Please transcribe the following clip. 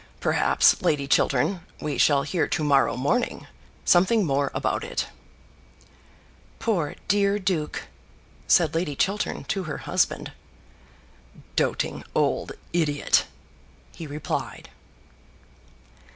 Perhaps, Lady Chiltern, we shall hear to morrow morning something more about it." "Poor dear duke," said Lady Chiltern to her husband. "Doting old idiot!" he replied.